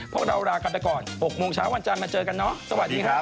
พวกเราลากันไปก่อน๖โมงเช้าวันจันทร์มาเจอกันเนอะสวัสดีครับ